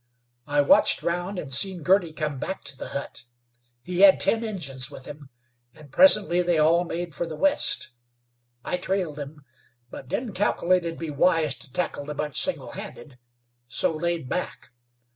I watched round an' seen Girty come back to the hut. He had ten Injuns with him, an' presently they all made fer the west. I trailed them, but didn't calkilate it'd be wise to tackle the bunch single handed, so laid back.